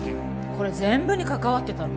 これ全部に関わってたの？